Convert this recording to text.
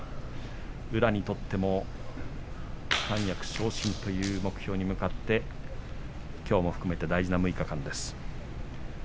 宇良にとっても三役昇進という目標に向かってきょうも含めて大事な６日間です。